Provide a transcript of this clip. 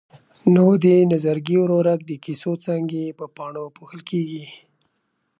نو د نظرګي ورورک د کیسو څانګې په پاڼو پوښل کېږي.